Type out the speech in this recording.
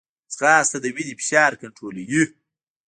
ځغاسته د وینې فشار کنټرولوي